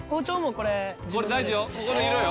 ここの色よ」